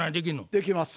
できます。